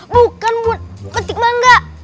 bukan buat petik manga